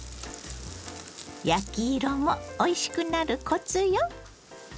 焼き色もおいしくなるコツよ。